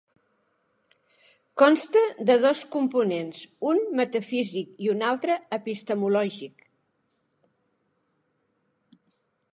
Consta de dos components: un metafísic i un altre epistemològic.